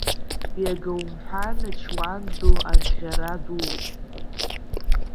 Иагаумҳәан, ачуан ду аӷьӷьара дууп.